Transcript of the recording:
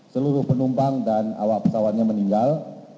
seluruh penumpang dan awak pesawatnya meninggal